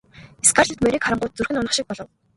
Скарлетт морийг харангуут зүрх нь унах шиг болов.